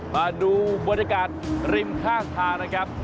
มาดูบรรยากาศริมข้างทางนะครับ